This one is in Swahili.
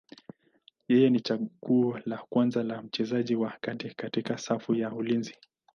Yeye ni chaguo la kwanza la mchezaji wa kati katika safu ya ulinzi.